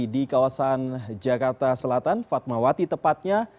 di kawasan jakarta selatan fatmawati tepatnya